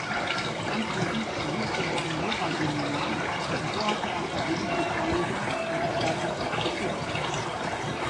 Anschließend besuchte er ein Lehrerseminar und hörte akademische Vorlesungen mit Schwerpunkt Geschichte.